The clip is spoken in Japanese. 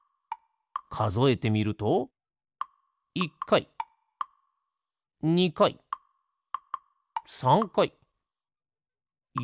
かぞえてみると１かい２かい３かい４